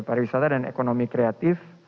pariwisata dan ekonomi kreatif